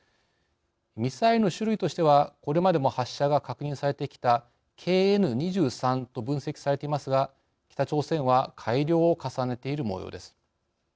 ミサイルの種類としてはこれまでも発射が確認されてきたＫＮ２３と分析されていますが北朝鮮は改良を重ねているもようです。